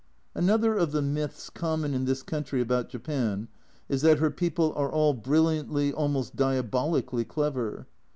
Another of the myths common in this country about Japan is that her people are all brilliantly, almost diabolically, clever.